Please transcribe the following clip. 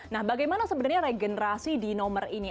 nah bagaimana sebenarnya regenerasi di nomor ini